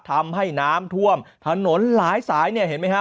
ทำให้น้ำท่วมถนนหลายสายเนี่ยเห็นไหมฮะ